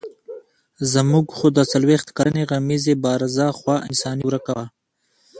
زموږ د څلوېښت کلنې غمیزې بارزه خوا انساني ورکه وه.